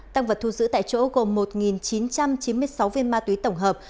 tăng vật thu giữ tại chỗ gồm một chín trăm chín mươi sáu viên ma túy tổng hợp